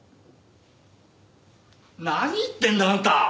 何言ってんだあんた！